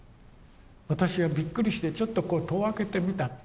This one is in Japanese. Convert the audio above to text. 私はびっくりしてちょっとこう戸を開けてみた。